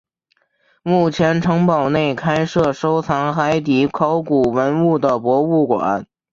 目前城堡内开设收藏海底考古文物的博物馆。